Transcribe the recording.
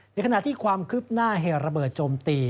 ในขณะที่ความคืบหน้าเหตุระเบิดโจมตี